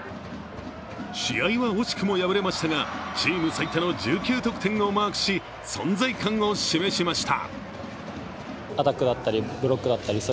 試合は惜しくも敗れましたが、チーム最多の１９得点をマークし、存在感を示しました。